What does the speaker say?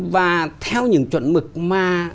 và theo những chuẩn mực mà